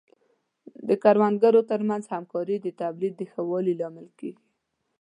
د کروندګرو ترمنځ همکاري د تولید د ښه والي لامل کیږي.